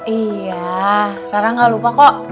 iya karena gak lupa kok